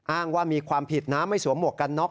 อ้างว่ามีความผิดนะไม่สวมหวกกันน็อก